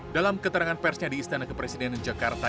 dalam keterangan persnya di istana kepresidenan jakarta